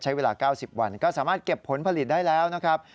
ใช้เวลา๙๐วันก็สามารถเก็บผลผลิตได้แล้วนะครับ